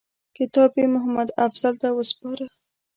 کتاب یې محمدافضل ته وسپاره.